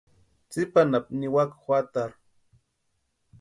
Tsipa anapu niwaka juatarhu.